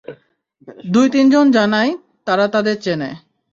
দুই-তিন জন জানায়, তারা তাদের চেনে।